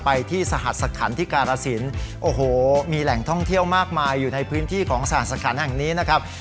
ไปที่สหัสขันที่การสินโอ้โหมีแหล่งท่องเที่ยวมากมายอยู่ในพื้นที่ของสหสคันแห่งนี้นะครับ